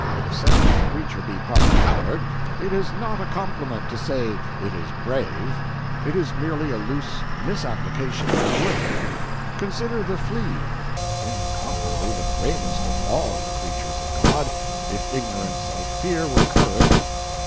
Except a creature be part coward it is not a compliment to say it is brave; it is merely a loose misapplication of the word. Consider the flea! incomparably the bravest of all the creatures of God, if ignorance of fear were courage.